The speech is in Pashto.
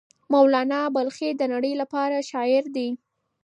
مولانا بلخي د نړۍ لپاره شاعر دی.